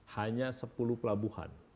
hanya sepuluh pelabuhan